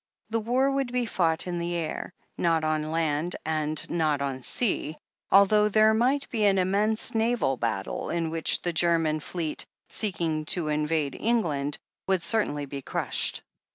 The war would be fought in the air. Not on land and not on sea, although there might be an immense naval battle, in which the German fleet, seeking to invade England, would certainly be crushed.